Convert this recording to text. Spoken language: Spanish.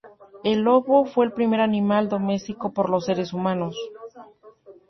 El lobo fue el primer animal domesticado por los seres humanos.